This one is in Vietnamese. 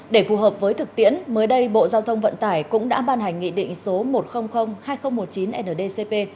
để phù hợp với thực tiễn mới đây bộ giao thông vận tải cũng đã ban hành nghị định số một trăm linh hai nghìn một mươi chín ndcp